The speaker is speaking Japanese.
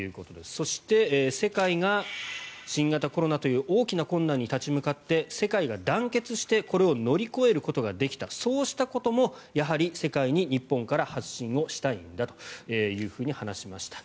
そして、世界が新型コロナという大きな困難に立ち向かって世界が団結してこれを乗り越えることができたそうしたことも、やはり世界に日本から発信をしたいんだというふうに話しました。